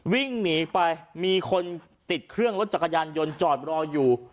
วิ่งหนีไปมีคนติดเครื่องรถจักรยานยนต์จอดรออยู่